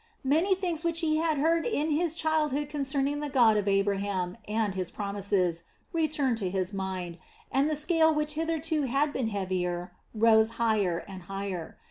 Many things which he had heard in his childhood concerning the God of Abraham, and His promises returned to his mind, and the scale which hitherto had been the heavier, rose higher and higher.